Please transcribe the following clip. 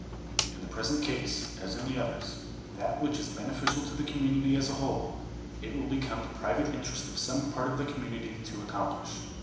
In the present case, as in others, that which is beneficial to the community as a whole, it will become the private interest of some part of the community to accomplish.